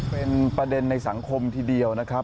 เป็นประเด็นในสังคมทีเดียวนะครับ